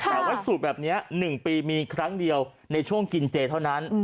แต่ว่าสูตรแบบนี้๑ปีมีครั้งเดียวในช่วงกินเจเท่านั้น